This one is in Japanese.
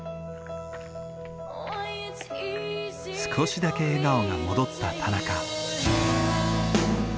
少しだけ笑顔が戻った田中。